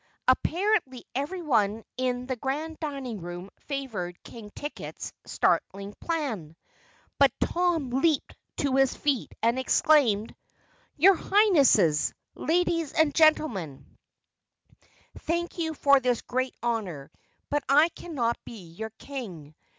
Apparently everyone in the Grand Dining Room favored King Ticket's startling plan. But Tom leaped to his feet and exclaimed: "Your Highnesses, Ladies and Gentlemen Thank you for this great honor, but I cannot be your King.